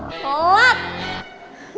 dasar roman kicisan